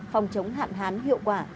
phòng chống hạn hán hiệu quả